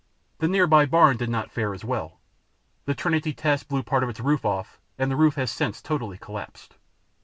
The nearby barn did not fare as well. The Trinity test blew part of its roof off, and the roof has since totally collapsed.